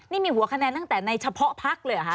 นี่มีหัวคะแนนตั้งแต่ในเฉพาะพักเลยเหรอคะ